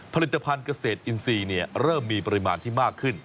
ผลิตภัณฑ์เกษตรอินทรีย์เริ่มมีปริมาณที่มากขึ้น